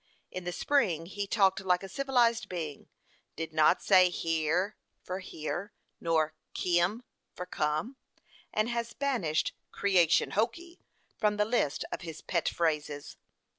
In the spring he talked like a civilized being; did not say "hyer" for here, nor "kim" for come, and has banished "creation hokee" from the list of his pet phrases.